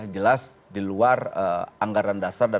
jelas di luar anggaran dasarnya